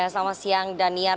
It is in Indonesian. selamat siang daniar